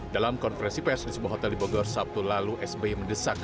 dalam konferensi pers di sebuah hotel di bogor sabtu lalu sbi mendesak